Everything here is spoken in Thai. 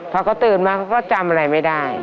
พอเขาตื่นมาเขาก็จำอะไรไม่ได้